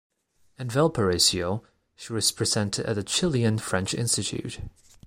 In Valparaiso, she was presented at the Chilean-French Institute.